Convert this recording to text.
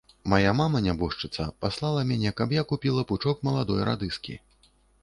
Мама мая, нябожчыца, паслала мяне, каб я купіла пучок маладой радыскі.